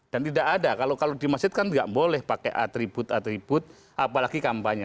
dan tidak ada kalau di masjid kan tidak boleh pakai atribut atribut apalagi kampanye